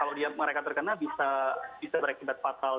yang mungkin jadi kalau mereka terkena bisa berakibat fatal